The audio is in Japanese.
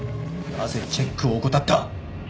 なぜチェックを怠った？